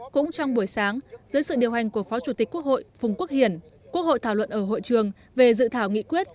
cũng trong buổi sáng dưới sự điều hành của phó chủ tịch quốc hội phùng quốc hiển quốc hội thảo luận ở hội trường về dự thảo nghị quyết